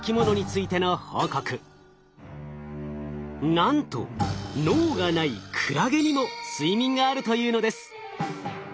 なんと脳がないクラゲにも睡眠があるというのです。